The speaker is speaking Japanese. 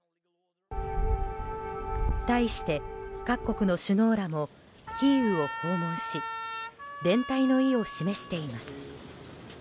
対して、各国の首脳らもキーウを訪問し連帯の意を示しています。